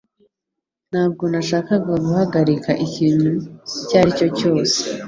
Ntabwo nashakaga guhagarika ikintu icyo ari cyo cyose